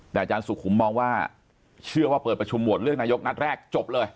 แต่อาจารย์สุขุมมองว่าเชื่อว่าเปิดประชุมโหวตเลือกนายกนัดแรกจบเลย